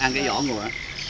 ăn cái vỏ ngồi ạ